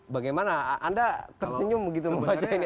bagaimana anda tersenyum begitu membaca ini